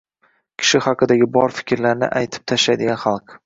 Kishi haqidagi bor fikrlarni aytib tashlaydigan xalq.